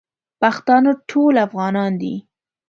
پښتانه ټول افغانان دي